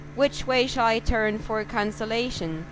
which way shall I turn for consolation?